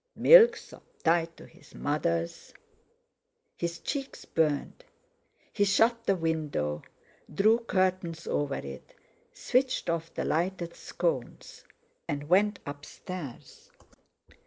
Milksop tied to his mother's...! His cheeks burned. He shut the window, drew curtains over it, switched off the lighted sconce, and went up stairs.